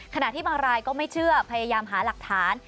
ขณะที่บางรายก็ไม่เชื่อพยายามหาหลักฐาน